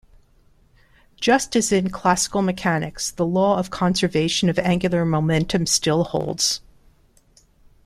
Just as in classical mechanics, the law of conservation of angular momentum still holds.